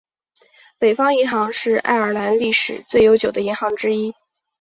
北方银行是爱尔兰历史最悠久的银行之一。